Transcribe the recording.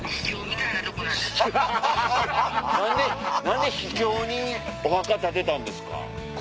何で秘境にお墓建てたんですか？